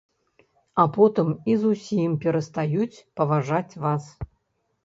А потым і зусім перастаюць паважаць вас.